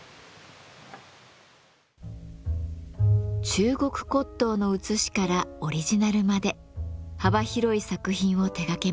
中国骨董のうつしからオリジナルまで幅広い作品を手がけます。